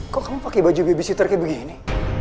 kok kamu pakai baju babysitter kayak begini